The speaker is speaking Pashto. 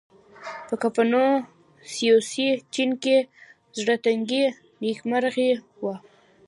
• په کنفوسیوسي چین کې زړهتنګي نېکمرغي وه.